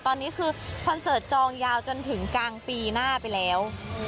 ตอนนี้คือคอนเสิร์ตจองยาวจนถึงกลางปีหน้าไปแล้ว